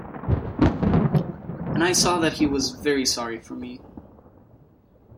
And I saw that he was very sorry for me.